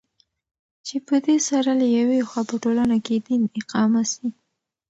چې پدي سره له يوې خوا په ټولنه كې دين اقامه سي